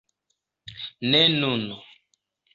Ne nun.